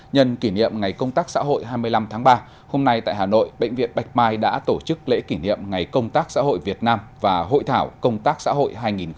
nhân kỷ niệm ngày công tác xã hội hai mươi năm tháng ba hôm nay tại hà nội bệnh viện bạch mai đã tổ chức lễ kỷ niệm ngày công tác xã hội việt nam và hội thảo công tác xã hội hai nghìn một mươi chín